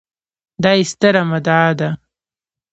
دا يې ستره مدعا ده